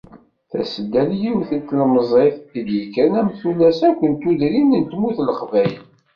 Tasedda, d yiwet n tlemẓit i d-yekkren am tullas akk n tudrin n tmurt n Leqbayel.